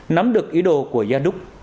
nắm được ý đồ của gia đúc